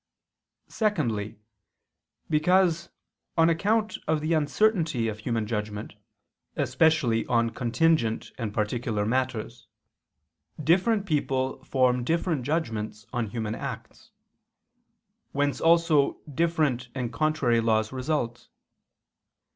Secondly, because, on account of the uncertainty of human judgment, especially on contingent and particular matters, different people form different judgments on human acts; whence also different and contrary laws result.